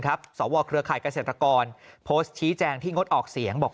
สวเครือข่ายเกษตรกรโพสต์ชี้แจงที่งดออกเสียงบอก